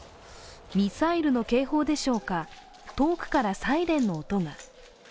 ミサイルの警報でしょうか、遠くからサイレンの音が。